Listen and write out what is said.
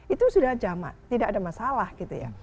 itu sudah jamak tidak ada masalah gitu ya